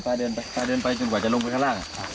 ไปเดินไปจนกว่าจะลงไปข้างล่าง